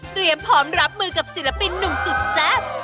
พร้อมรับมือกับศิลปินหนุ่มสุดแซ่บ